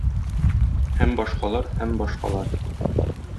Һәм башкалар, һәм башкалар...